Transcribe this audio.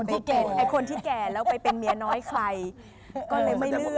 ไอ้คนที่แก่แล้วไปเป็นเมียน้อยใครก็เลยไม่เลือก